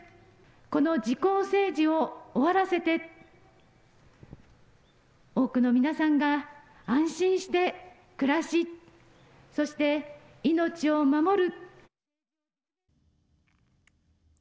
この自公政治を終わらせて多くの皆さんが安心して、暮らし、そして命を守る。